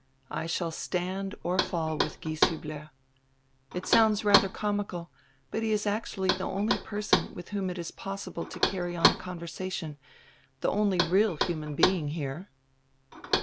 I shall stand or fall with Gies hiibler. It sounds rather comical, but he is actually the only person with whom it is possible to carry on a conver sation, the only real human being here."